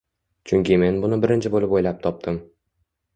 Chunki men buni birinchi bo‘lib o‘ylab topdim.